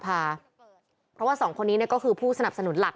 เพราะว่าสองคนนี้ก็คือผู้สนับสนุนหลัก